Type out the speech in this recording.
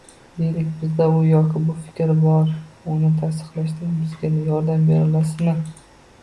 Deylik, bizda u yoki bu fikr bor, uni tasdiqlashda bizga yordam berolasizmi?